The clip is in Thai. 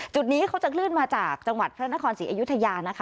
จุดนี้เขาจะคลื่นมาจากจังหวัดพระนครศรีอยุธยานะคะ